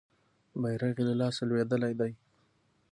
بیرغ یې له لاسه لویدلی دی.